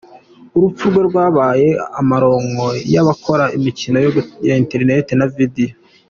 Urupfu rwe rwabaye amaronko y’abakora imikino yo kuri internet na video.